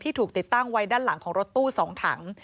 ถูกติดตั้งไว้ด้านหลังของรถตู้๒ถัง